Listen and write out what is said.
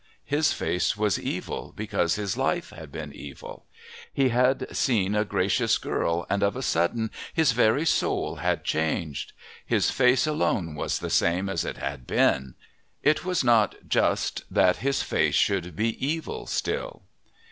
His face was evil, because his life had been evil. He had seen a gracious girl, and of a sudden his very soul had changed. His face alone was the same as it had been. It was not just that his face should be evil still.